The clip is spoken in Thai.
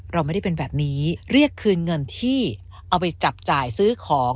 เราไม่ได้เป็นแบบนี้เรียกคืนเงินที่เอาไปจับจ่ายซื้อของ